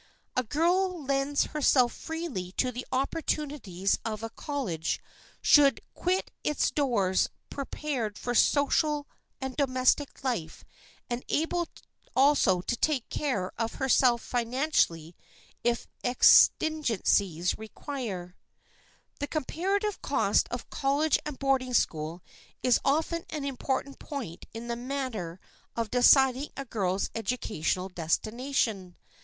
A girl who lends herself freely to the opportunities of a college should quit its doors prepared for social and domestic life and able also to take care of herself financially if exigencies require. The comparative cost of college and boarding school is often an important point in the matter of deciding a girl's educational destination.